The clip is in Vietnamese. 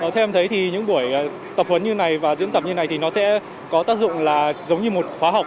theo em thấy thì những buổi tập huấn như này và diễn tập như này thì nó sẽ có tác dụng là giống như một khóa học